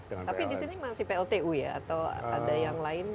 tapi di sini masih pltu ya atau ada yang lain